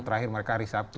terakhir mereka hari sabtu